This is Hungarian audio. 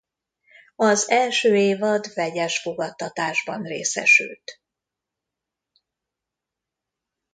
Az első évad vegyes fogadtatásban részesült.